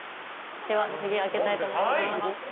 では開けたいと思います。